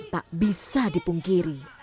tak bisa dipungkiri